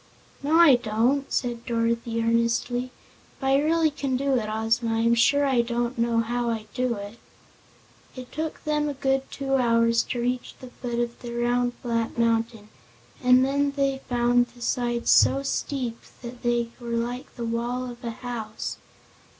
"No, I don't," said Dorothy earnestly. "If I really can do it, Ozma, I am sure I don't know how I do it." It took them a good two hours to reach the foot of the round, flat mountain, and then they found the sides so steep that they were like the wall of a house.